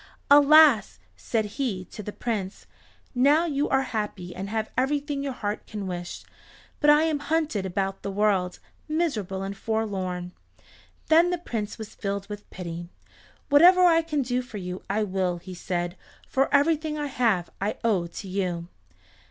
"Alas!" said he to the Prince, "now you are happy and have everything your heart can wish, but I am hunted about the world, miserable and forlorn." Then the Prince was filled with pity. "Whatever I can do for you I will," he said, "for everything I have I owe to you."